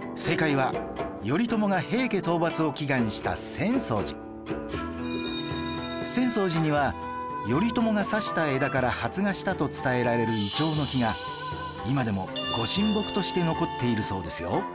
浅草寺には頼朝が挿した枝から発芽したと伝えられるイチョウの木が今でも御神木として残っているそうですよ